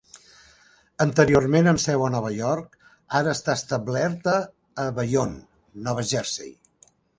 Anteriorment amb seu a Nova York, ara està establerta a Bayonne, Nova Jersey.